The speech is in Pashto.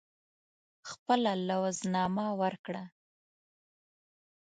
خپله لوز نامه ورکړه.